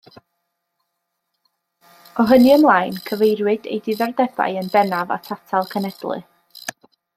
O hynny ymlaen, cyfeiriwyd ei diddordebau yn bennaf at atal cenhedlu.